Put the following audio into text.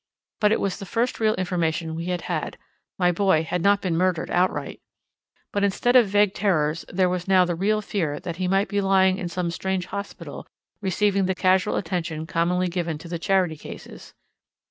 But it was the first real information we had had; my boy had not been murdered outright. But instead of vague terrors there was now the real fear that he might be lying in some strange hospital receiving the casual attention commonly given to the charity cases.